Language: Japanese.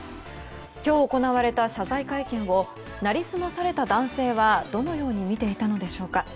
今日行われた謝罪会見を成り済まされた男性はどのように見ていたのでしょうか。